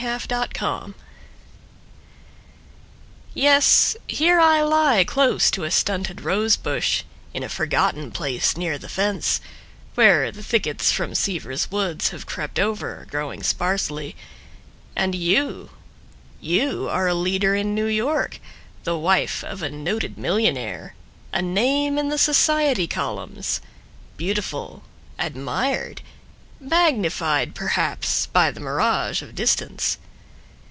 Amelia Garrick Yes, here I lie close to a stunted rose bush In a forgotten place near the fence Where the thickets from Siever's woods Have crept over, growing sparsely. And you, you are a leader in New York, The wife of a noted millionaire, A name in the society columns, Beautiful, admired, magnified perhaps By the mirage of distance.